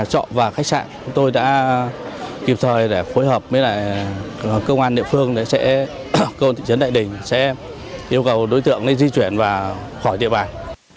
cơ hội thị trấn đại đình sẽ yêu cầu đối tượng di chuyển và khỏi địa bài